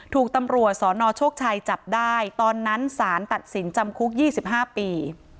ถูกตำรวจสนโชคชัยจับได้ตอนนั้นสารตัดสินจำคุก๒๕ปี